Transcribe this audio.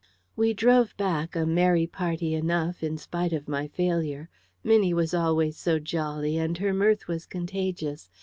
We drove back, a merry party enough, in spite of my failure. Minnie was always so jolly, and her mirth was contagious.